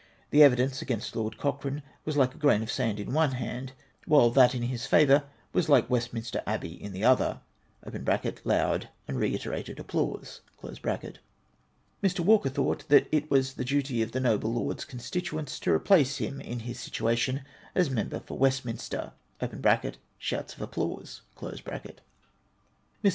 The evidence against Lord Coch rane was like a grain of sand in one hand, while that in his favour was like Westminster Abbey in the other {loud and reiterated applause). ]Mr. Walker thought that it was the duty of the noble Loi'd's constituents to replace him in his situation as Member for Westminster {sJioufs of applause). Mr.